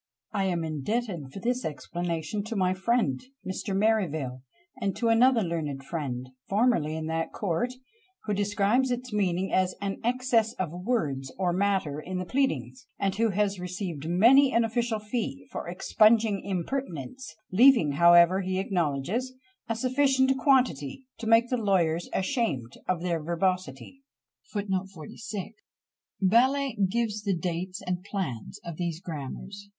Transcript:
I am indebted for this explanation to my friend, Mr. Merivale; and to another learned friend, formerly in that court, who describes its meaning as "an excess of words or matter in the pleadings," and who has received many an official fee for "expunging impertinence," leaving, however, he acknowledges, a sufficient quantity to make the lawyers ashamed of their verbosity. Sen. Epist. 21. Baillet gives the dates and plans of these grammars.